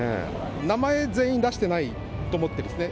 名前、全員出してないと思っているんですね。